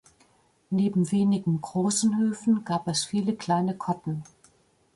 Neben wenigen großen Höfen gab es viele kleine Kotten.